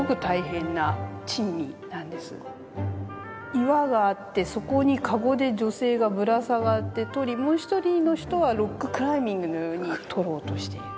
岩があってそこにカゴで女性がぶら下がって取りもう一人の人はロッククライミングのように取ろうとしている。